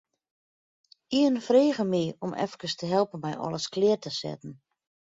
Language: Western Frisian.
Ien frege my om efkes te helpen mei alles klear te setten.